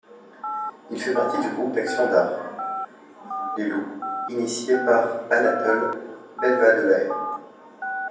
Il fait partie du groupe d'action d'art Les Loups initié par Anatole Belval-Delahaye.